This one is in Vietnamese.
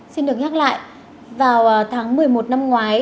xin được nhắc lại vào tháng một mươi một năm ngoái